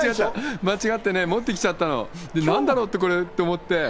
間違ってね、持って来ちゃったの。なんだろうって、これって。